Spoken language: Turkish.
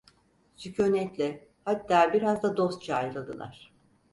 Sükûnetle, hatta biraz da dostça ayrıldılar.